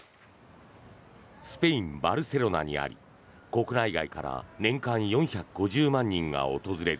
スペイン・バルセロナにあり国内外から年間４５０万人が訪れる